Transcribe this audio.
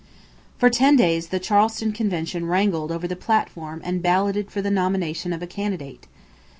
For ten days the Charleston convention wrangled over the platform and balloted for the nomination of a candidate.